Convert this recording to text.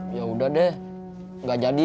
ya udah deh nggak jadi